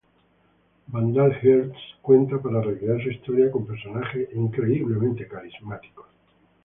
Vandal Hearts cuenta para recrear su historia con personajes increíblemente carismáticos.